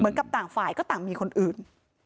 เหมือนกับต่างฝ่ายก็ต่างมีคนอื่น